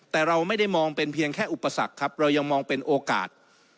แต่เราไม่ได้มองเป็นเพียงแค่อุปสรรคครับเรายังมองเป็นโอกาส